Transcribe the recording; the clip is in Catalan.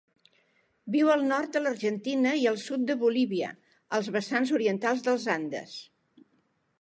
Viu al nord de l'Argentina i el sud de Bolívia, als vessants orientals dels Andes.